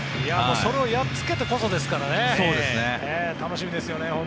それをやっつけてこそですから楽しみですよね。